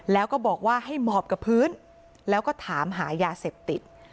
แล้วก็บอกว่าให้หมอบกับพื้นแล้วก็ถามหายาเสพติด